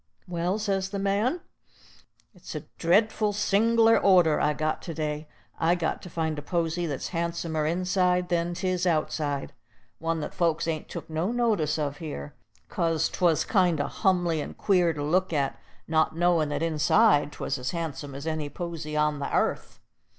"Well," says the man, "it's a dreadful sing'lar order I've got to day. I got to find a posy that's handsomer inside than 'tis outside, one that folks ain't took no notice of here, 'cause 'twas kind o' humly and queer to look at, not knowin' that inside 'twas as handsome as any posy on the airth.